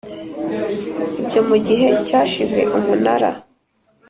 Ibyo mu gihe cyashize umunara